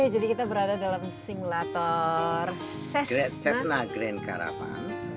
jadi kita berada dalam simulator cessna grand caravan